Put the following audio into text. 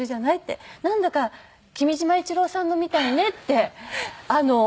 「なんだか君島一郎さんのみたいね」っておっしゃって。